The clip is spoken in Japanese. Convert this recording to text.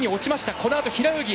このあと平泳ぎ。